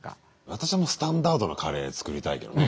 私はもうスタンダードなカレー作りたいけどね。